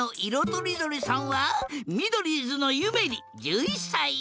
とりどりさんはミドリーズのゆめり１１さい。